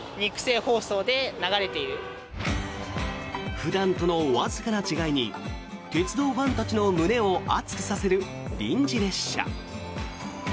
普段とのわずかな違いに鉄道ファンたちの胸を熱くさせる臨時列車。